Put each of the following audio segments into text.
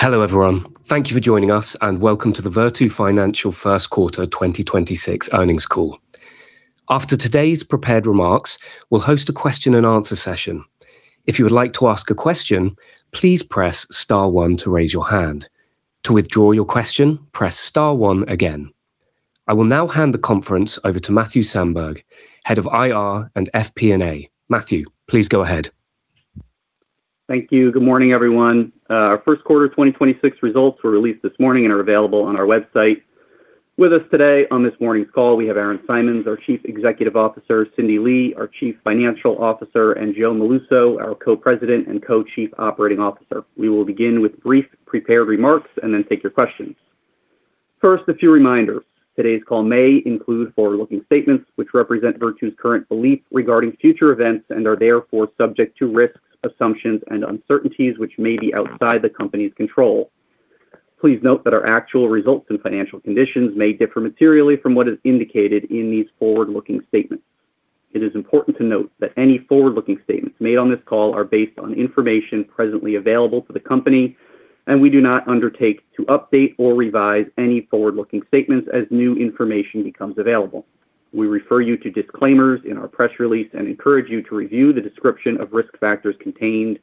Hello, everyone. Thank you for joining us. Welcome to the Virtu Financial First Quarter 2026 earnings call. After today's prepared remarks, we'll host a question and answer session. If you'd like to ask a question, please press star one to raise your hand. To withdraw your question, press star one again. I will now hand the conference over to Matthew Sandberg, Head of IR and FP&A. Matthew, please go ahead. Thank you. Good morning, everyone. Our first quarter 2026 results were released this morning and are available on our website. With us today on this morning's call, we have Aaron Simons, our Chief Executive Officer, Cindy Lee, our Chief Financial Officer, and Joseph Molluso, our Co-President and Co-Chief Operating Officer. We will begin with brief prepared remarks and then take your questions. First, a few reminders. Today's call may include forward-looking statements which represent Virtu's current beliefs regarding future events and are therefore subject to risks, assumptions, and uncertainties which may be outside the company's control. Please note that our actual results and financial conditions may differ materially from what is indicated in these forward-looking statements. It is important to note that any forward-looking statements made on this call are based on information presently available to the company, and we do not undertake to update or revise any forward-looking statements as new information becomes available. We refer you to disclaimers in our press release and encourage you to review the description of risk factors contained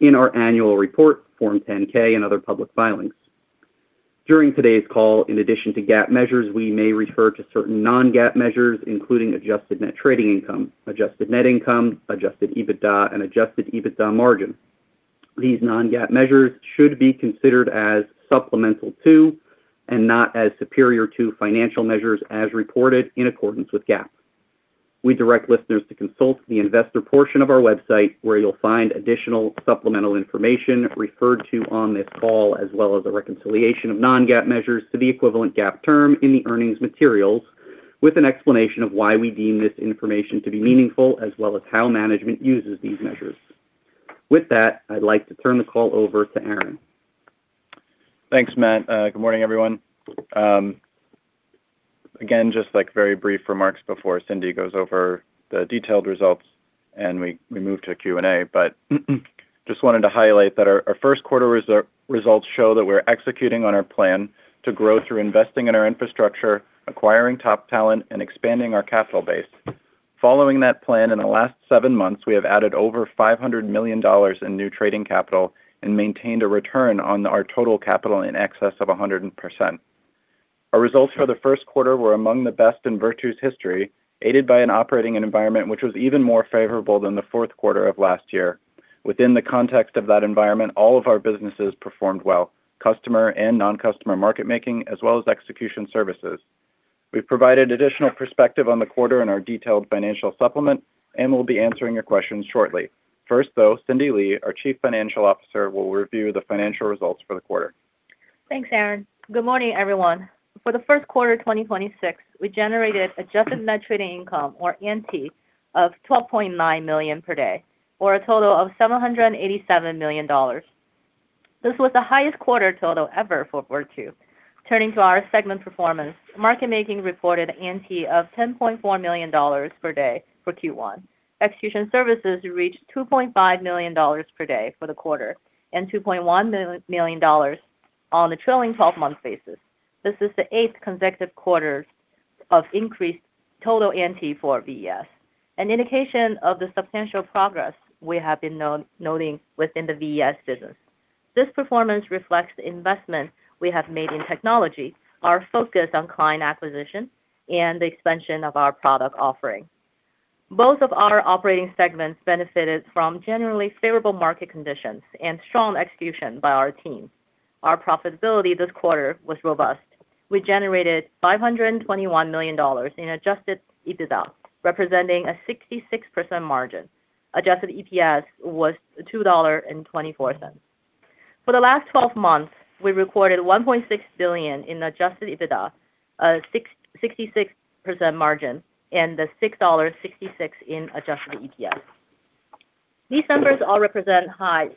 in our annual report, Form 10-K, and other public filings. During today's call, in addition to GAAP measures, we may refer to certain non-GAAP measures, including Adjusted Net Trading Income, Adjusted Net Income, Adjusted EBITDA, and Adjusted EBITDA Margin. These non-GAAP measures should be considered as supplemental to and not as superior to financial measures as reported in accordance with GAAP. We direct listeners to consult the investor portion of our website, where you'll find additional supplemental information referred to on this call, as well as a reconciliation of non-GAAP measures to the equivalent GAAP term in the earnings materials with an explanation of why we deem this information to be meaningful, as well as how management uses these measures. With that, I'd like to turn the call over to Aaron. Thanks, Matt. Good morning, everyone. Again, just like very brief remarks before Cindy goes over the detailed results and we move to Q&A. Just wanted to highlight that our first quarter results show that we're executing on our plan to grow through investing in our infrastructure, acquiring top talent, and expanding our capital base. Following that plan, in the last seven months, we have added over $500 million in new trading capital and maintained a return on our total capital in excess of 100%. Our results for the first quarter were among the best in Virtu's history, aided by an operating environment which was even more favorable than the fourth quarter of last year. Within the context of that environment, all of our businesses performed well, customer and non-customer market making, as well as execution services. We've provided additional perspective on the quarter in our detailed financial supplement, and we'll be answering your questions shortly. First, though, Cindy Lee, our Chief Financial Officer, will review the financial results for the quarter. Thanks, Aaron. Good morning, everyone. For the first quarter of 2026, we generated Adjusted Net Trading Income, or NT, of $12.9 million per day, or a total of $787 million. This was the highest quarter total ever for Virtu. Turning to our segment performance, market making reported NT of $10.4 million per day for Q1. Execution services reached $2.5 million per day for the quarter and $2.1 million on a trailing twelve-month basis. This is the eighth consecutive quarter of increased total NT for VES, an indication of the substantial progress we have been noting within the VES business. This performance reflects the investment we have made in technology, our focus on client acquisition, and the expansion of our product offering. Both of our operating segments benefited from generally favorable market conditions and strong execution by our team. Our profitability this quarter was robust. We generated $521 million in Adjusted EBITDA, representing a 66% margin. Adjusted EPS was $2.24. For the last 12 months, we recorded $1.6 billion in Adjusted EBITDA, a 66% margin, and $6.66 in adjusted EPS. These numbers all represent highs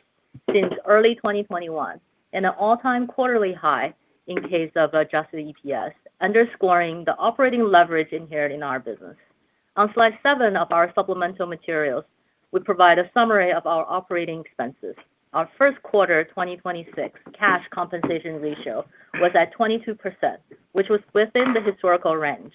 since early 2021 and an all-time quarterly high in case of adjusted EPS, underscoring the operating leverage inherent in our business. On slide seven of our supplemental materials, we provide a summary of our operating expenses. Our first quarter 2026 cash compensation ratio was at 22%, which was within the historical range.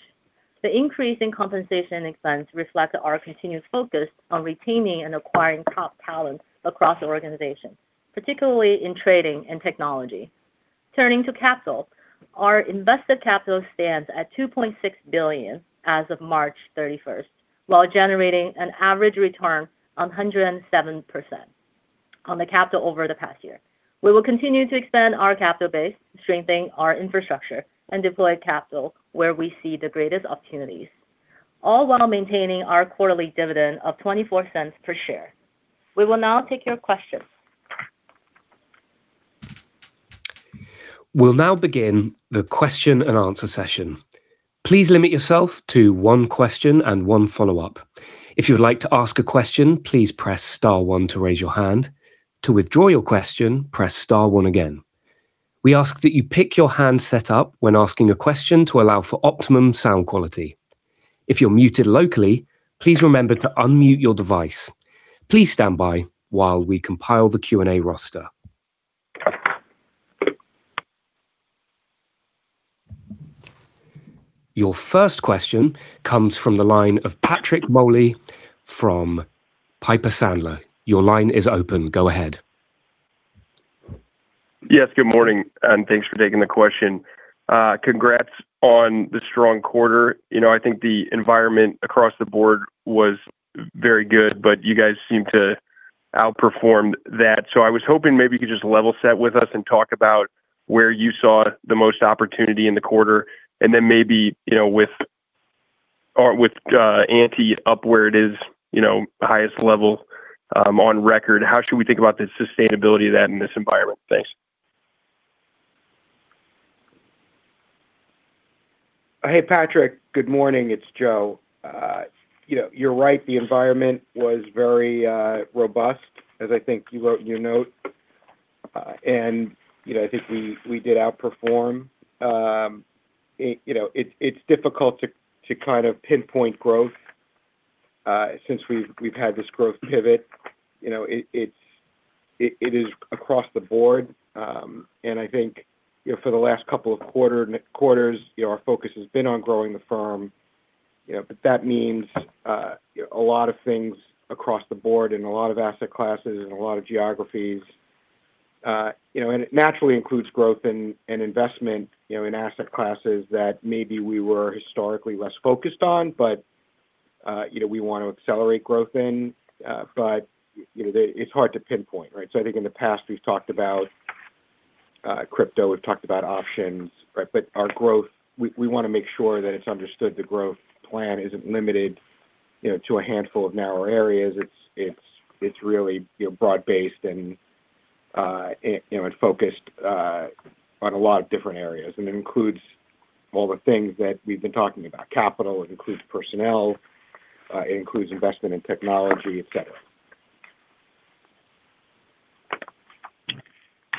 The increase in compensation expense reflects our continued focus on retaining and acquiring top talent across the organization, particularly in trading and technology. Turning to capital, our invested capital stands at $2.6 billion as of March 31st, while generating an average return of 107% on the capital over the past year. We will continue to expand our capital base, strengthen our infrastructure, and deploy capital where we see the greatest opportunities, all while maintaining our quarterly dividend of $0.24 per share. We will now take your questions. We'll now begin the question and answer session. Please limit yourself to one question and one follow-up. If you would like to ask a question, please press star one to raise your hand. To withdraw your question, press star one again. We ask that you pick your hand setup when asking a question to allow for optimum sound quality. If you're muted locally, please remember to unmute your device. Please stand by while we compile the Q&A roster. Your first question comes from the line of Patrick Moley from Piper Sandler. Your line is open. Go ahead. Yes, good morning, and thanks for taking the question. Congrats on the strong quarter. You know, I think the environment across the board was very good, you guys seemed to outperform that. I was hoping maybe you could just level set with us and talk about where you saw the most opportunity in the quarter, and then maybe, you know, with ante up where it is, you know, highest level on record, how should we think about the sustainability of that in this environment? Thanks. Hey, Patrick. Good morning. It's Joe. You know, you're right, the environment was very robust, as I think you wrote in your note. You know, I think we did outperform. You know, it's difficult to kind of pinpoint growth since we've had this growth pivot. You know, it is across the board. I think, you know, for the last couple of quarters, you know, our focus has been on growing the firm. You know, that means, you know, a lot of things across the board and a lot of asset classes and a lot of geographies. You know, it naturally includes growth and investment, you know, in asset classes that maybe we were historically less focused on, but, you know, we want to accelerate growth in. You know, it's hard to pinpoint, right? I think in the past, we've talked about crypto, we've talked about options, right? Our growth, we wanna make sure that it's understood the growth plan isn't limited, you know, to a handful of narrower areas. It's really, you know, broad-based and, you know, focused on a lot of different areas. It includes all the things that we've been talking about. Capital, it includes personnel, it includes investment in technology, et cetera.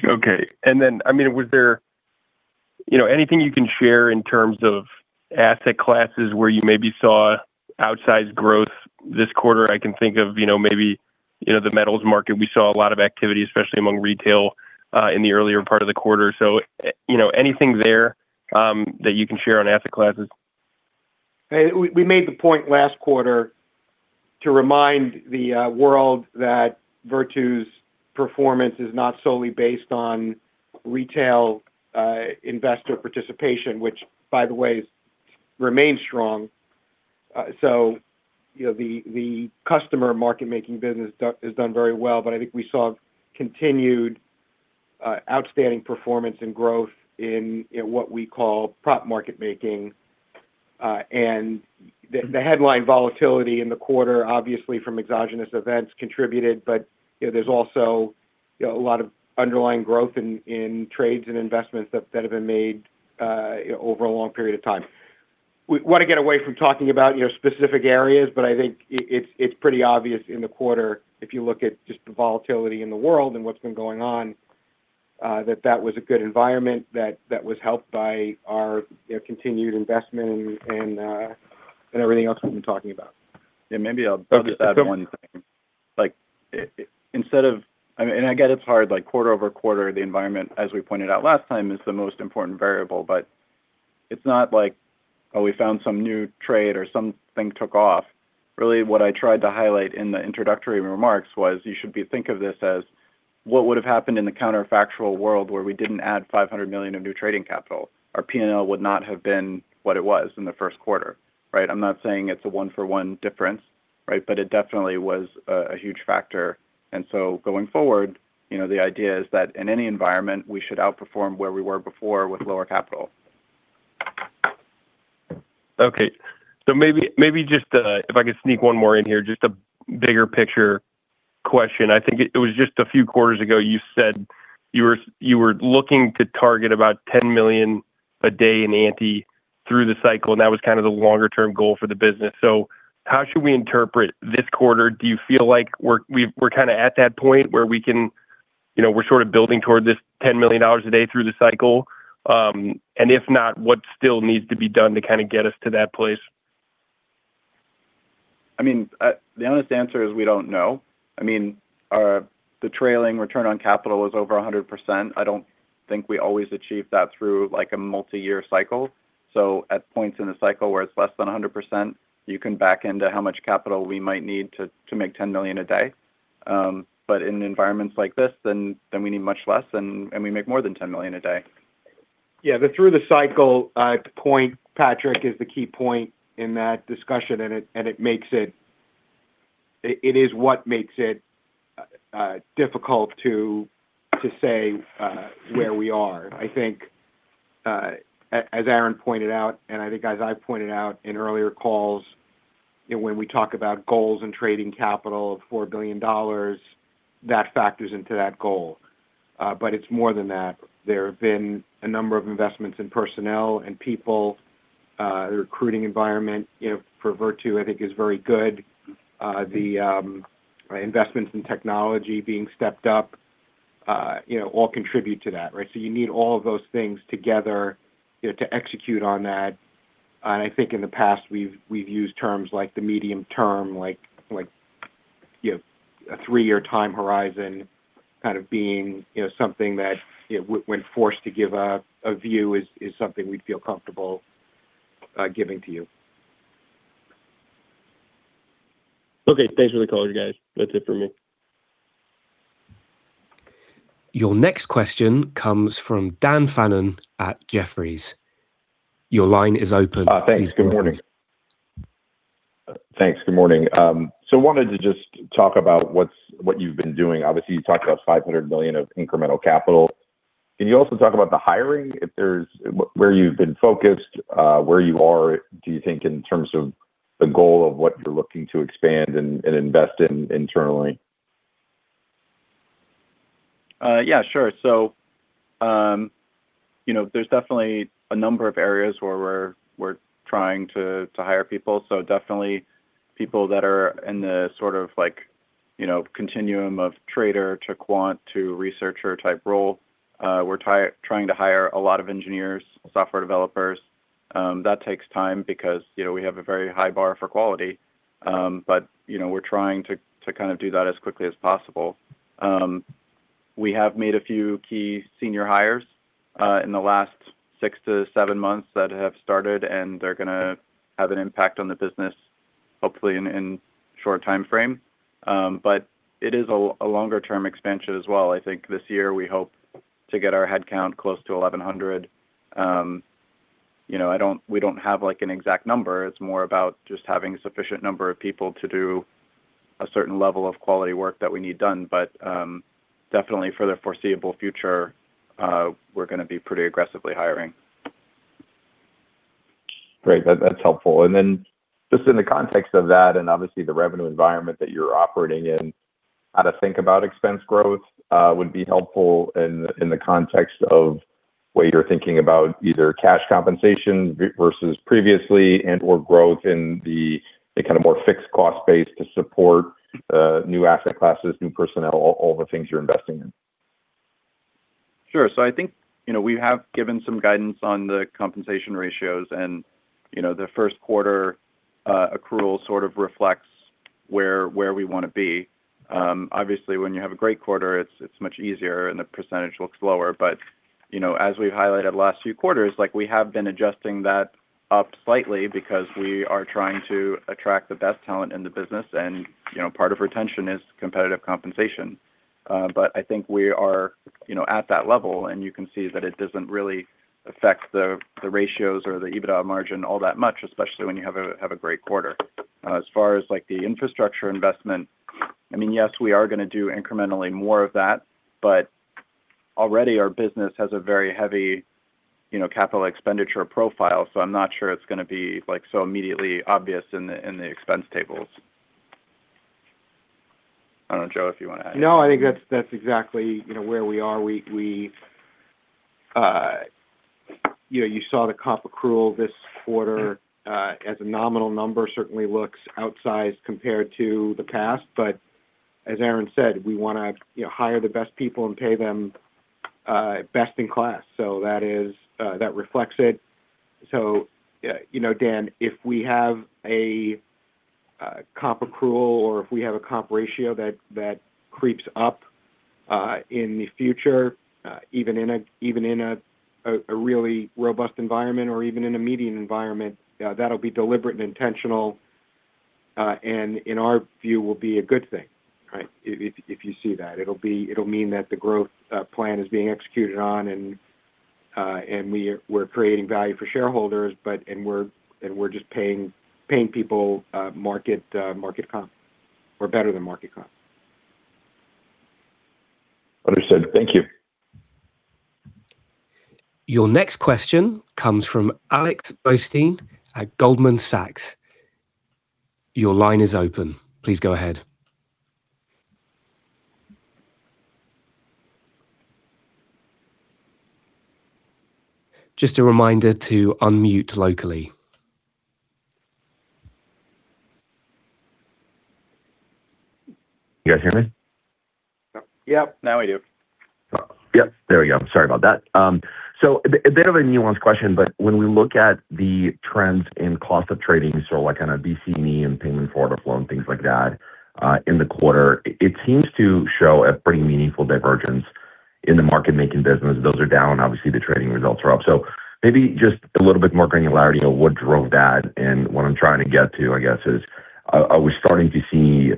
Okay. I mean, was there, you know, anything you can share in terms of asset classes where you maybe saw outsized growth this quarter? I can think of, you know, maybe, you know, the metals market. We saw a lot of activity, especially among retail, in the earlier part of the quarter. you know, anything there, that you can share on asset classes? Hey, we made the point last quarter to remind the world that Virtu's performance is not solely based on retail investor participation, which by the way remains strong. You know, the customer market-making business has done very well. I think we saw continued outstanding performance and growth in what we call prop market making. The headline volatility in the quarter, obviously from exogenous events contributed, you know, there's also, you know, a lot of underlying growth in trades and investments that have been made over a long period of time. We wanna get away from talking about, you know, specific areas, I think it's, it's pretty obvious in the quarter, if you look at just the volatility in the world and what's been going on, that was a good environment that was helped by our, you know, continued investment and everything else we've been talking about. Yeah, maybe I'll just add one thing. Okay. I mean, I get it's hard, like quarter-over-quarter, the environment, as we pointed out last time, is the most important variable, but it's not like, oh, we found some new trade or something took off. Really, what I tried to highlight in the introductory remarks was you should think of this as what would've happened in the counterfactual world where we didn't add $500 million of new trading capital. Our P&L would not have been what it was in the first quarter, right? I'm not saying it's a one for one difference, right? It definitely was a huge factor. Going forward, you know, the idea is that in any environment, we should outperform where we were before with lower capital. Okay. Maybe just, if I could sneak one more in here, just a bigger picture question. I think it was just a few quarters ago, you said you were looking to target about $10 million a day in ante through the cycle, and that was kind of the longer term goal for the business. How should we interpret this quarter? Do you feel like we're kind of at that point where we can, you know, we're sort of building toward this $10 million a day through the cycle? If not, what still needs to be done to kind of get us to that place? I mean, the honest answer is we don't know. I mean, the trailing return on capital was over 100%. I don't think we always achieve that through like a multi-year cycle. At points in the cycle where it's less than 100%, you can back into how much capital we might need to make $10 million a day. In environments like this, then we need much less and we make more than $10 million a day. Yeah. The through the cycle point, Patrick, is the key point in that discussion. It is what makes it difficult to say where we are. I think, as Aaron pointed out, and I think as I pointed out in earlier calls, you know, when we talk about goals and trading capital of $4 billion, that factors into that goal. It's more than that. There have been a number of investments in personnel and people. The recruiting environment, you know, for Virtu I think is very good. The investments in technology being stepped up. You know, all contribute to that, right? You need all of those things together, you know, to execute on that. I think in the past, we've used terms like the medium term, like, you know, a three-year time horizon kind of being, you know, something that, you know, when forced to give a view is something we'd feel comfortable giving to you. Okay. Thanks for the color, guys. That's it for me. Your next question comes from Dan Fannon at Jefferies. Your line is open. Thanks. Good morning. Thanks. Good morning. Wanted to just talk about what you've been doing. Obviously, you talked about $500 million of incremental capital. Can you also talk about the hiring, if there's where you've been focused, where you are, do you think in terms of the goal of what you're looking to expand and invest in internally? You know, there's definitely a number of areas where we're trying to hire people. Definitely people that are in the sort of like, you know, continuum of trader to quant to researcher type role. We're trying to hire a lot of engineers, software developers. That takes time because, you know, we have a very high bar for quality. You know, we're trying to kind of do that as quickly as possible. We have made a few key senior hires in the last six-seven months that have started, and they're gonna have an impact on the business, hopefully in short time frame. It is a longer term expansion as well. I think this year we hope to get our head count close to 1,100. we don't have like an exact number. It's more about just having sufficient number of people to do a certain level of quality work that we need done. Definitely for the foreseeable future, we're gonna be pretty aggressively hiring. Great. That's helpful. Just in the context of that, and obviously the revenue environment that you're operating in, how to think about expense growth would be helpful in the context of what you're thinking about either cash compensation versus previously and/or growth in the kind of more fixed cost base to support new asset classes, new personnel, all the things you're investing in. Sure. I think, you know, we have given some guidance on the compensation ratios and, you know, the first quarter accrual sort of reflects where we want to be. Obviously when you have a great quarter, it's much easier and the percentage looks lower. You know, as we've highlighted last few quarters, like, we have been adjusting that up slightly because we are trying to attract the best talent in the business. You know, part of retention is competitive compensation. But I think we are, you know, at that level, and you can see that it doesn't really affect the ratios or the EBITDA margin all that much, especially when you have a great quarter. As far as like the infrastructure investment, I mean, yes, we are going to do incrementally more of that, but already our business has a very heavy, you know, capital expenditure profile. I'm not sure it's going to be like so immediately obvious in the, in the expense tables. I don't know, Joe, if you want to add anything. No, I think that's exactly, you know, where we are. We, you know, you saw the comp accrual this quarter, as a nominal number. Certainly looks outsized compared to the past. As Aaron said, we wanna, you know, hire the best people and pay them best in class. That is, that reflects it. You know, Dan, if we have a comp accrual or if we have a comp ratio that creeps up in the future, even in a really robust environment or even in a median environment, that'll be deliberate and intentional, and in our view will be a good thing, right? If you see that. It'll mean that the growth plan is being executed on and we're creating value for shareholders. We're just paying people market comp or better than market comp. Understood. Thank you. Your next question comes from Alex Blostein at Goldman Sachs. Your line is open. Please go ahead. Just a reminder to unmute locally. You guys hear me? Yep. Now we do. Yep, there we go. Sorry about that. A bit of a nuanced question, but when we look at the trends in cost of trading, like kind of BC and E and payment for order flow and things like that, in the quarter, it seems to show a pretty meaningful divergence in the market making business. Those are down, obviously the trading results are up. Maybe just a little bit more granularity on what drove that. What I'm trying to get to, I guess, is are we starting to see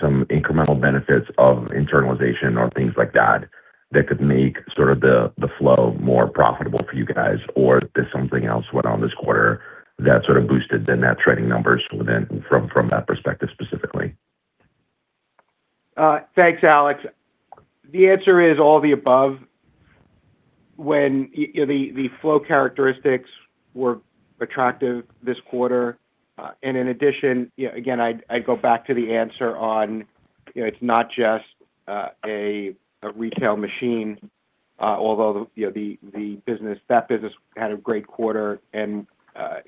some incremental benefits of internalization or things like that that could make sort of the flow more profitable for you guys? Or there's something else went on this quarter that sort of boosted the net trading numbers within from that perspective specifically? Thanks, Alex. The answer is all the above. When you know, the flow characteristics were attractive this quarter. In addition, you know, again, I go back to the answer on, you know, it's not just a retail machine. Although, you know, that business had a great quarter, and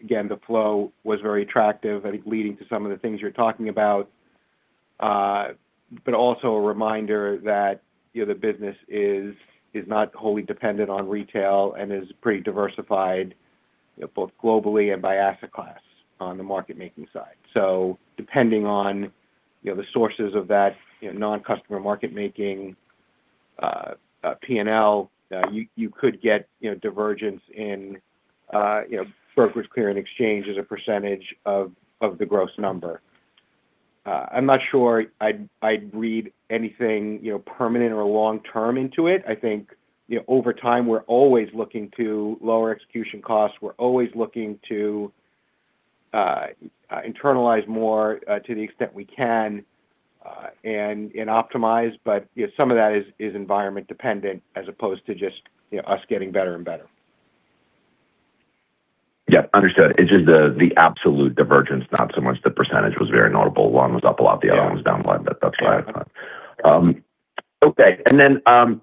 again, the flow was very attractive, I think leading to some of the things you're talking about. Also a reminder that, you know, the business is not wholly dependent on retail and is pretty diversified, you know, both globally and by asset class on the market-making side. Depending on, you know, the sources of that, you know, non-customer market-making P&L, you could get, you know, divergence in, you know, brokerage, clearing, and exchange as a percentage of the gross number. I'm not sure I'd read anything, you know, permanent or long-term into it. I think, you know, over time, we're always looking to lower execution costs. We're always looking to internalize more to the extent we can and optimize. You know, some of that is environment dependent as opposed to just, you know, us getting better and better. Understood. It's just the absolute divergence, not so much the percentage was very notable. One was up a lot. Yeah... the other one was down a lot, but that's why I thought. Okay.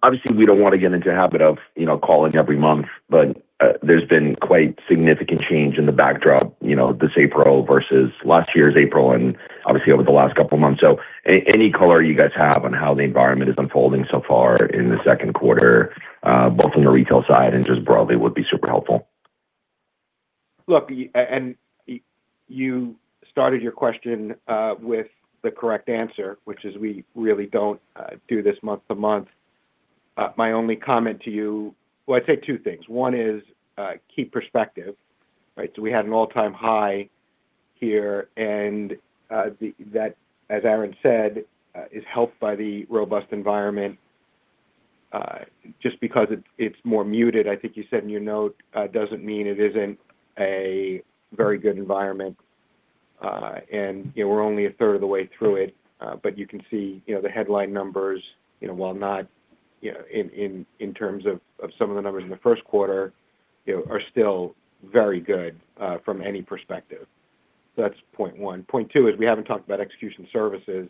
Obviously we don't wanna get into a habit of, you know, calling every month, but there's been quite significant change in the backdrop, you know, this April versus last year's April and obviously over the last couple of months. Any color you guys have on how the environment is unfolding so far in the second quarter, both on the retail side and just broadly would be super helpful. You started your question with the correct answer, which is we really don't do this month-to-month. My only comment to you. Well, I'd say two things. One is, keep perspective, right? We had an all-time high here, and that, as Aaron said, is helped by the robust environment. Just because it's more muted, I think you said in your note, doesn't mean it isn't a very good environment. And, you know, we're only a third of the way through it. But you can see, you know, the headline numbers, you know, while not, you know, in terms of some of the numbers in the first quarter, you know, are still very good from any perspective. That's point one. Point two is we haven't talked about execution services.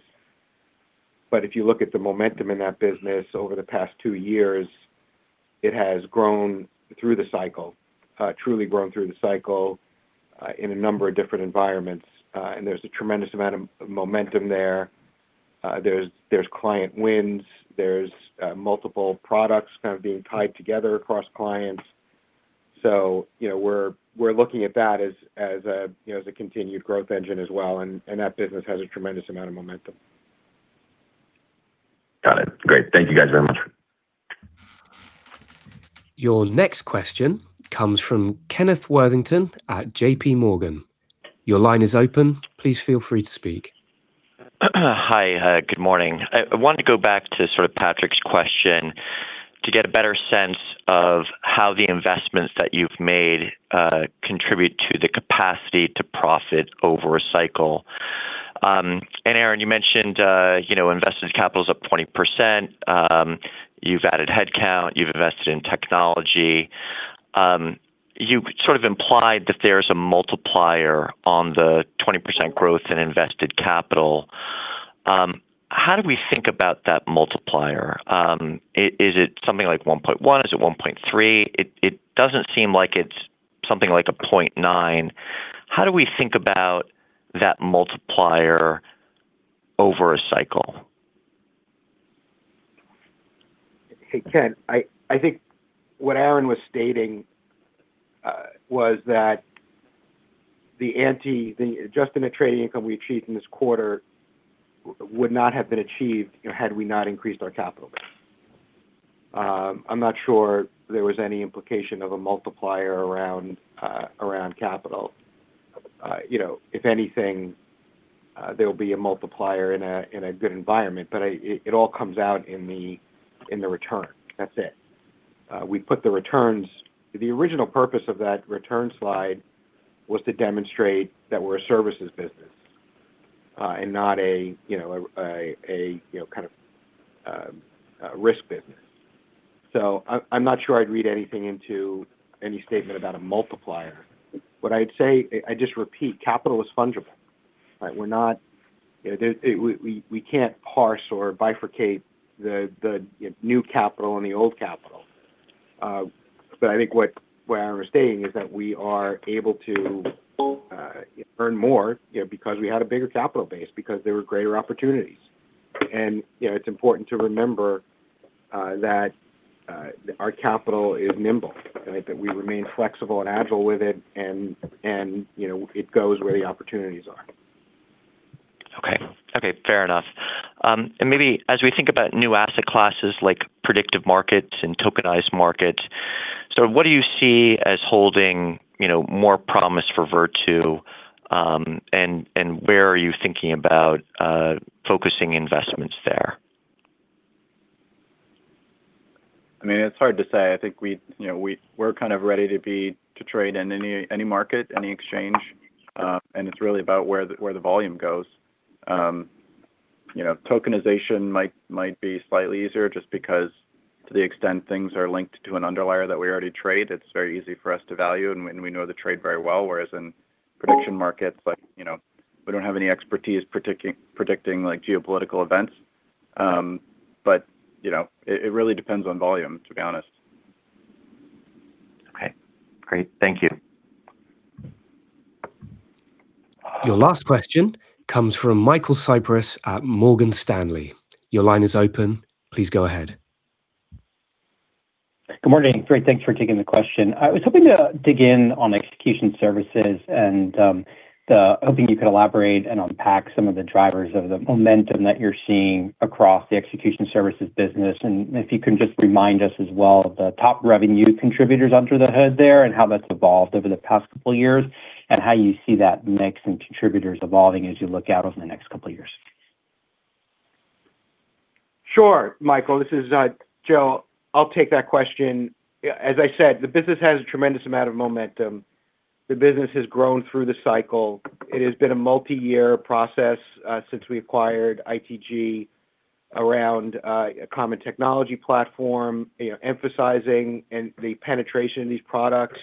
If you look at the momentum in that business over the past two years, it has grown through the cycle. Truly grown through the cycle in a number of different environments. There's a tremendous amount of momentum there. There's client wins, there's multiple products kind of being tied together across clients. You know, we're looking at that as a, you know, as a continued growth engine as well, and that business has a tremendous amount of momentum. Got it. Great. Thank you guys very much. Your next question comes from Kenneth Worthington at JPMorgan. Your line is open. Please feel free to speak. Hi. Good morning. I wanted to go back to sort of Patrick's question to get a better sense of how the investments that you've made, contribute to the capacity to profit over a cycle. Aaron, you mentioned, you know, invested capital's up 20%. You've added headcount, you've invested in technology. You sort of implied that there's a multiplier on the 20% growth in invested capital. How do we think about that multiplier? Is it something like 1.1? Is it 1.3? It doesn't seem like it's something like a 0.9. How do we think about that multiplier over a cycle? Hey, Ken, I think what Aaron Simons was stating was that The adjustment of trading income we achieved in this quarter would not have been achieved, you know, had we not increased our capital base. I'm not sure there was any implication of a multiplier around around capital. You know, if anything, there'll be a multiplier in a, in a good environment, It all comes out in the, in the return. That's it. The original purpose of that return slide was to demonstrate that we're a services business and not a, you know, a, you know, kind of a risk business. I'm not sure I'd read anything into any statement about a multiplier. What I'd say, I'd just repeat, capital is fungible, right? We're not, you know, we can't parse or bifurcate the, you know, new capital and the old capital. I think what Aaron was stating is that we are able to earn more, you know, because we had a bigger capital base, because there were greater opportunities. You know, it's important to remember that our capital is nimble, right? That we remain flexible and agile with it and, you know, it goes where the opportunities are. Okay. Okay, fair enough. Maybe as we think about new asset classes like prediction markets and tokenized markets. What do you see as holding, you know, more promise for Virtu, and where are you thinking about focusing investments there? I mean, it's hard to say. I think we, you know, we're kind of ready to trade in any market, any exchange, it's really about where the volume goes. You know, tokenization might be slightly easier, just because to the extent things are linked to an underlier that we already trade, it's very easy for us to value and we know the trade very well. Whereas in. Prediction markets, like, you know, we don't have any expertise predicting, like, geopolitical events. You know, it really depends on volume, to be honest. Okay, great. Thank you. Your last question comes from Michael Cyprys at Morgan Stanley. Your line is open. Please go ahead. Good morning. Great, thanks for taking the question. I was hoping to dig in on Execution Services and hoping you could elaborate and unpack some of the drivers of the momentum that you're seeing across the Execution Services business. If you can just remind us as well the top revenue contributors under the hood there and how that's evolved over the past couple years and how you see that mix and contributors evolving as you look out over the next couple years. Sure, Michael, this is Joe. I'll take that question. As I said, the business has a tremendous amount of momentum. The business has grown through the cycle. It has been a multi-year process, since we acquired ITG around a common technology platform, you know, emphasizing and the penetration of these products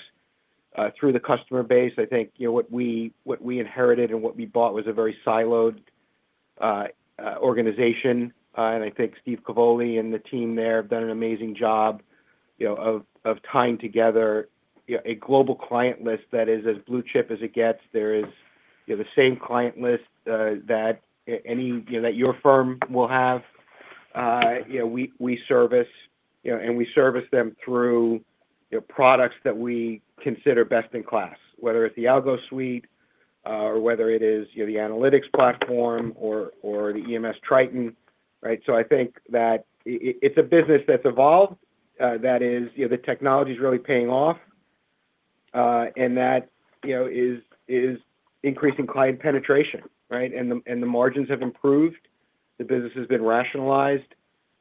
through the customer base. I think, you know, what we inherited and what we bought was a very siloed organization. I think Stephen Cavoli and the team there have done an amazing job, you know, of tying together, you know, a global client list that is as blue-chip as it gets. There is, you know, the same client list, that any, you know, that your firm will have. You know, we service, you know, and we service them through, you know, products that we consider best in class, whether it's the Algo Suite, or whether it is, you know, the Analytics Platform or the EMS Triton. Right. I think that it's a business that's evolved, that is, you know, the technology's really paying off, and that, you know, is increasing client penetration, right. The margins have improved. The business has been rationalized.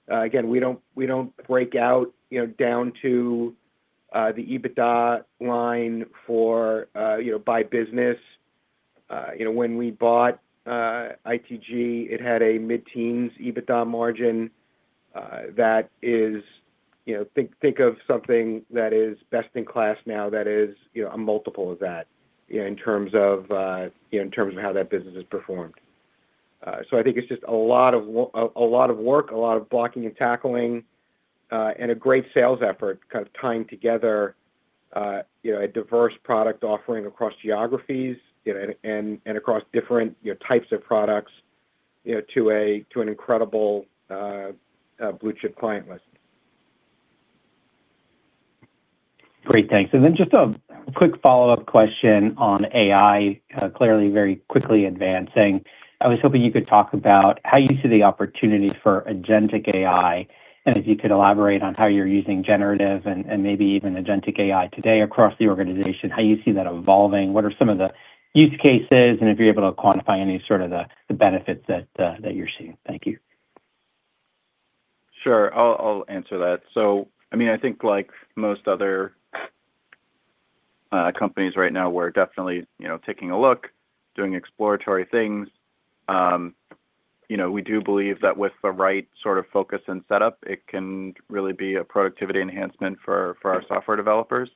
Again, we don't, we don't break out, you know, down to, the EBITDA line for, you know, by business. You know, when we bought, ITG, it had a mid-teens EBITDA margin. Think of something that is best in class now that is, you know, a multiple of that, you know, in terms of, you know, in terms of how that business has performed. I think it's just a lot of work, a lot of blocking and tackling, and a great sales effort kind of tying together, you know, a diverse product offering across geographies, you know, and across different, you know, types of products, you know, to an incredible, blue-chip client list. Great. Thanks. Then just a quick follow-up question on AI, clearly very quickly advancing. I was hoping you could talk about how you see the opportunity for agentic AI, and if you could elaborate on how you're using generative and maybe even agentic AI today across the organization, how you see that evolving, what are some of the use cases, and if you're able to quantify any sort of the benefits that you're seeing. Thank you. Sure. I'll answer that. I mean, I think like most other companies right now, we're definitely, you know, taking a look, doing exploratory things. You know, we do believe that with the right sort of focus and setup, it can really be a productivity enhancement for our software developers.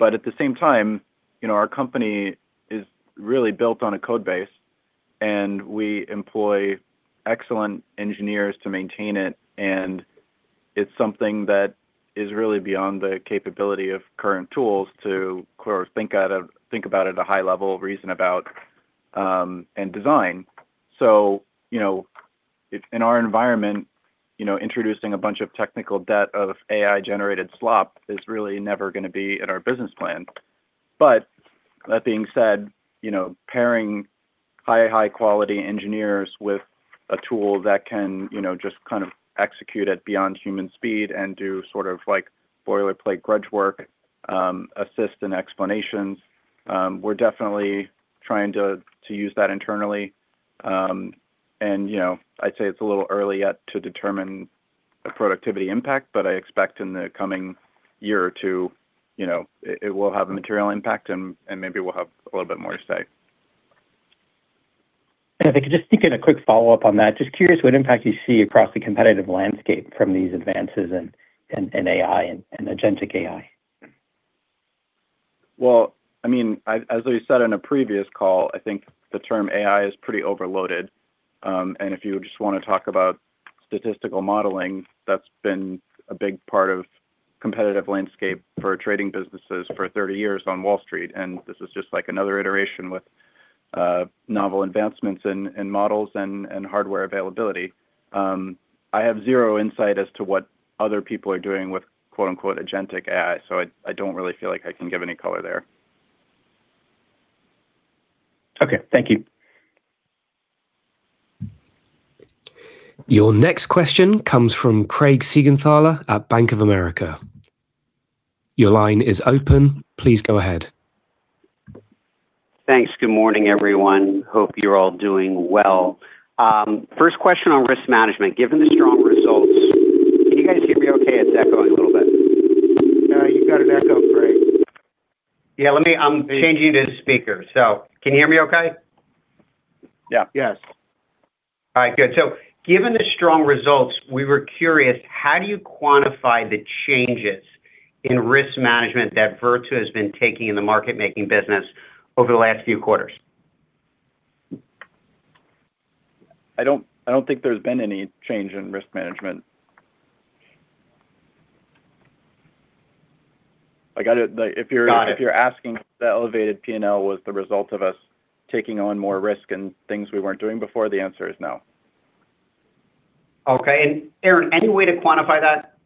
At the same time, you know, our company is really built on a code base, and we employ excellent engineers to maintain it, and it's something that is really beyond the capability of current tools to sort of think about at a high level, reason about, and design. In our environment, you know, introducing a bunch of technical debt of AI-generated slop is really never gonna be in our business plan. That being said, you know, pairing high, high-quality engineers with a tool that can, you know, just kind of execute at beyond human speed and do sort of, like, boilerplate grudge work, assist in explanations, we're definitely trying to use that internally. You know, I'd say it's a little early yet to determine a productivity impact, but I expect in the coming year or two, you know, it will have a material impact and maybe we'll have a little bit more to say. If I could just sneak in a quick follow-up on that. Just curious what impact you see across the competitive landscape from these advances in AI and agentic AI. Well, I mean, as we said in a previous call, I think the term AI is pretty overloaded. If you just wanna talk about statistical modeling, that's been a big part of competitive landscape for trading businesses for 30 years on Wall Street, and this is just, like, another iteration with novel advancements in models and hardware availability. I have zero insight as to what other people are doing with, quote-unquote, agentic AI, so I don't really feel like I can give any color there. Okay. Thank you. Your next question comes from Craig Siegenthaler at Bank of America. Your line is open. Please go ahead. Thanks. Good morning, everyone. Hope you're all doing well. First question on risk management. Can you guys hear me okay? It's echoing a little bit. No, you've got an echo, Craig. Yeah, I'm changing to speaker. Can you hear me okay? Yeah. Yes. All right, good. Given the strong results, we were curious, how do you quantify the changes in risk management that Virtu has been taking in the market-making business over the last few quarters? I don't think there's been any change in risk management. Like, I don't. Got it. If you're asking if that elevated P&L was the result of us taking on more risk and things we weren't doing before, the answer is no. Okay. Aaron, any way to quantify that?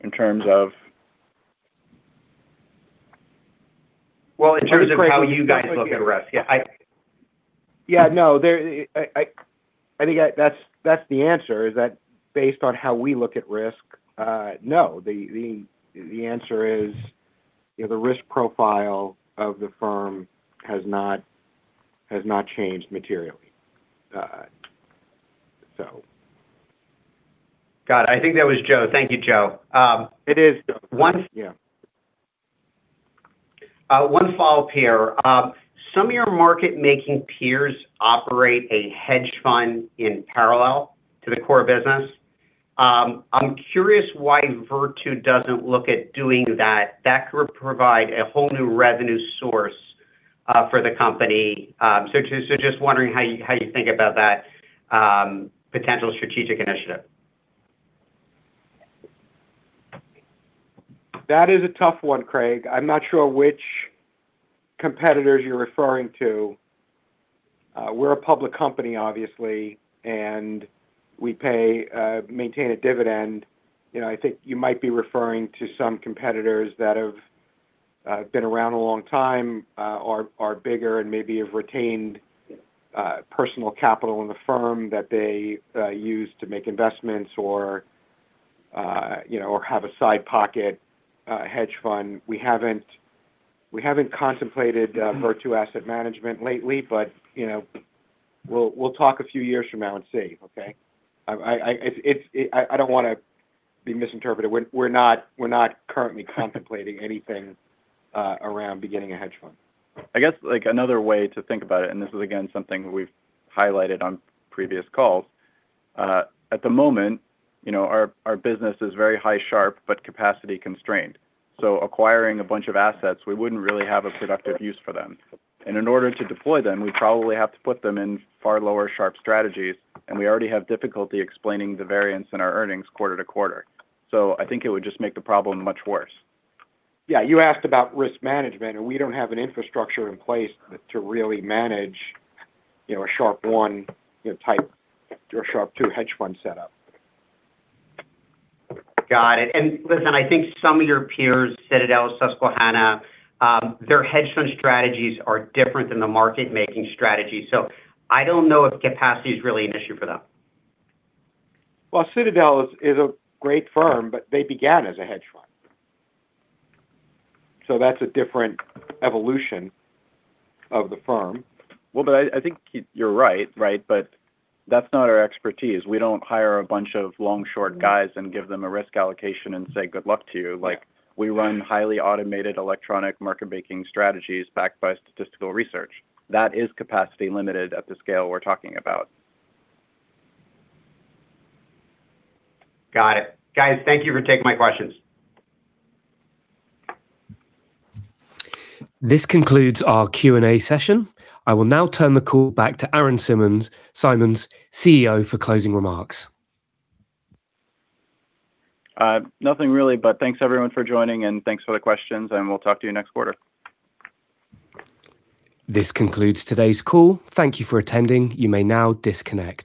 In terms of? Well, in terms of how you guys look at risk. Yeah. Yeah, no. I think that's the answer, is that based on how we look at risk, no. The answer is, you know, the risk profile of the firm has not changed materially. Got it. I think that was Joe. Thank you, Joe. It is Joe, yeah. One follow-up here. Some of your market-making peers operate a hedge fund in parallel to the core business. I'm curious why Virtu doesn't look at doing that. That could provide a whole new revenue source for the company. Just wondering how you think about that potential strategic initiative. That is a tough one, Craig. I'm not sure which competitors you're referring to. We're a public company obviously, and we pay, maintain a dividend. You know, I think you might be referring to some competitors that have been around a long time, are bigger and maybe have retained personal capital in the firm that they use to make investments or, you know, or have a side pocket hedge fund. We haven't contemplated Virtu asset management lately, but, you know, we'll talk a few years from now and see. Okay. I don't wanna be misinterpreted. We're not currently contemplating anything around beginning a hedge fund. I guess, like, another way to think about it, this is again, something we've highlighted on previous calls, at the moment, you know, our business is very high Sharpe, but capacity constrained. Acquiring a bunch of assets, we wouldn't really have a productive use for them. In order to deploy them, we'd probably have to put them in far lower Sharpe strategies, and we already have difficulty explaining the variance in our earnings quarter to quarter. I think it would just make the problem much worse. Yeah. You asked about risk management, and we don't have an infrastructure in place to really manage, you know, a Sharpe 1, you know, type, or a Sharpe 2 hedge fund setup. Got it. Listen, I think some of your peers, Citadel, Susquehanna, their hedge fund strategies are different than the market-making strategy. I don't know if capacity is really an issue for them. Citadel is a great firm, but they began as a hedge fund. That's a different evolution of the firm. Well, I think you're right? That's not our expertise. We don't hire a bunch of long short guys and give them a risk allocation and say, Good luck to you. Yeah. Like, we run highly automated electronic market-making strategies backed by statistical research. That is capacity limited at the scale we are talking about. Got it. Guys, thank you for taking my questions. This concludes our Q&A session. I will now turn the call back to Aaron Simons CEO for closing remarks. Nothing really, thanks everyone for joining, and thanks for the questions, and we'll talk to you next quarter. This concludes today's call. Thank you for attending. You may now disconnect.